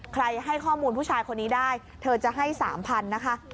ให้ข้อมูลผู้ชายคนนี้ได้เธอจะให้๓๐๐๐นะคะ